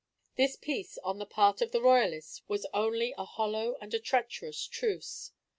This peace on the part of the Royalists was only a hollow and a treacherous truce.